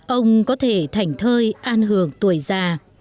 ông có thể thảnh thơi an hưởng tuổi già